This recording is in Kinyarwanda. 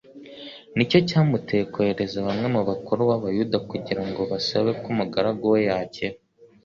nicyo cyamutcye kohereza bamwe mu bakuru b'abayuda kugira ngo basabe ko umugaragu we yakira.